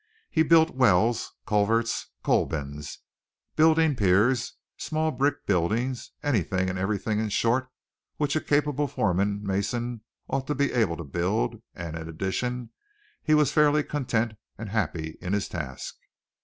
He built wells, culverts, coal bins, building piers small brick buildings anything and everything, in short, which a capable foreman mason ought to be able to build, and in addition he was fairly content and happy in his task.